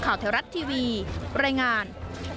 ข่าวแถวรัฐทีวีปรายงาน